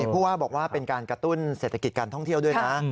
ผู้ว่าบอกว่าเป็นการกระตุ้นเศรษฐกิจการท่องเที่ยวด้วยนะ